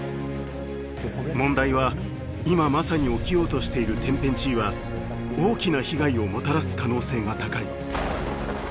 問題は今まさに起きようとしている天変地異は大きな被害をもたらす可能性が高い。